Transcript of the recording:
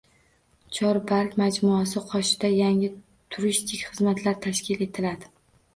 Chor-Bakr majmuasi qoshida yangi turistik xizmatlar tashkil etiladi